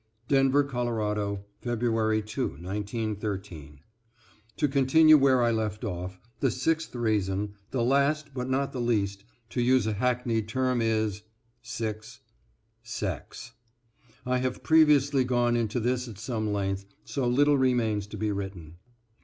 =Denver, Colo., February 2, 1913.= To continue where I left off, the sixth reason, the last but not the least, to use a hackneyed term, is: (6) Sex. I have previously gone into this at some length, so little remains to be written.